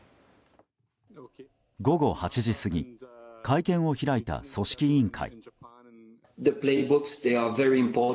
午後８時過ぎ会見を開いた組織委員会。